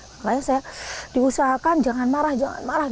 makanya saya diusahakan jangan marah jangan marah